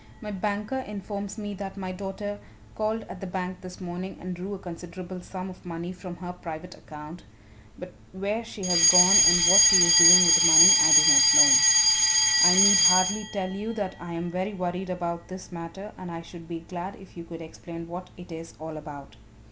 My banker informs me that my daughter called at the bank this morning and drew a considerable sum of money from her private account, but where she has gone and what she is doing with the money I do not know. I need hardly tell you that I am very worried about this matter and I should be glad if you could explain what it is all about."